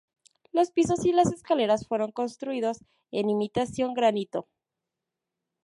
Los pisos y las escaleras fueron construidos en imitación granito.